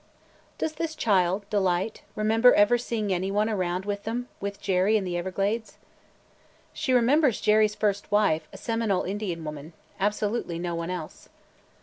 "Does this child, Delight – remember ever seeing any one around with them – with Jerry – in the Everglades?" "She remembers Jerry's first wife, a Seminole Indian woman. Absolutely no one else."